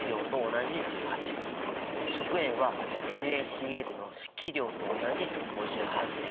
食塩はＮａＣｌの式量と同じ５８．５。